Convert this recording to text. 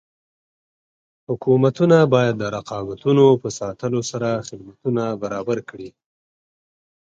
حکومتونه باید د رقابتونو په ساتلو سره خدمتونه برابر کړي.